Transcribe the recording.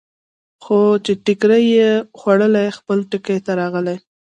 خو چې ټکرې یې وخوړلې، خپل ټکي ته راغی.